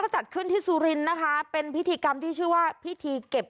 จัดขึ้นที่สุรินทร์นะคะเป็นพิธีกรรมที่ชื่อว่าพิธีเก็บ